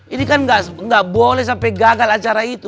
ini kan nggak boleh sampai gagal acara itu